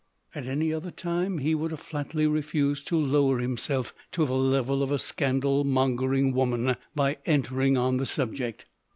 At any other time, he would have flatly refused to lower himself to the level of a scandal mongering woman, by entering on the subject.